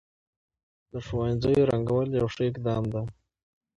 د ښوونځيو رنګول يو ښه اقدام دی.